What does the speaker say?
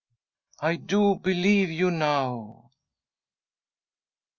I do believe you now."